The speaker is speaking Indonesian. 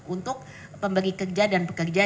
untuk pembagi kerja dan pekerja